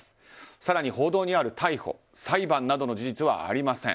更に報道にある逮捕、裁判などの事実はありません。